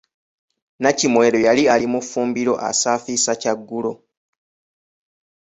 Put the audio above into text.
Nnakimwero yali ali mu ffumbiro asaafiisa kyaggulo.